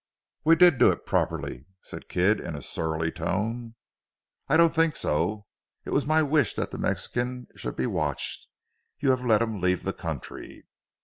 "We did do it properly," said Kidd in a surly tone. "I don't think so. It was my wish that the Mexican should be watched. You have let him leave the country."